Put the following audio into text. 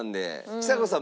ちさ子さん